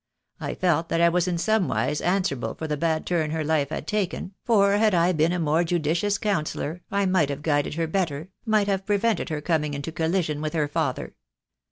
I felt that I was in some wise an swerable for the bad turn her life had taken, for had I been a more judicious counsellor, I might have guided her better, might have prevented her coming into collision with her father.